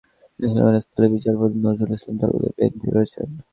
বিচারপতি মোস্তফা জামান ইসলামের স্থলে বিচারপতি নজরুল ইসলাম তালুকদার বেঞ্চে রয়েছেন।